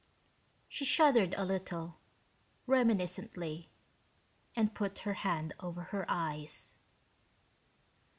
She shuddered a little, reminiscently, and put her hand over her eyes.